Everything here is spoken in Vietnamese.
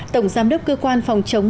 tổng giám đốc cơ quan phòng chống